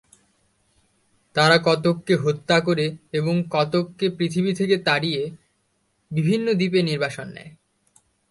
তারা কতককে হত্যা করে এবং কতককে পৃথিবী থেকে তাড়িয়ে বিভিন্ন দ্বীপে নির্বাসন দেয়।